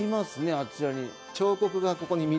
あちらに。